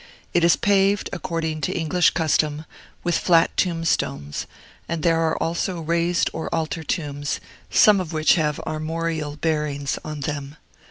It is paved, according to English custom, with flat tombstones; and there are also raised or altar tombs, some of which have armorial hearings on them.